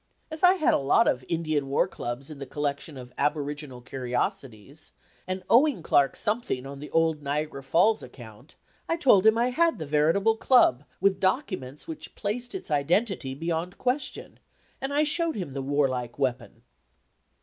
As I had a lot of Indian war clubs in the collection of aboriginal curiosities, and owing Clark something on the old Niagara Falls account, I told him I had the veritable club with documents which placed its identity beyond question, and I showed him the warlike weapon.